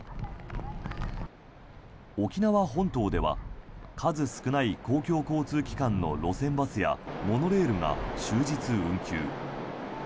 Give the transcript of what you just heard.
沖縄本島では数少ない公共交通機関の路線バスやモノレールが終日運休。